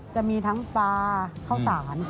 จะมีทั้งปลาข้าวสาร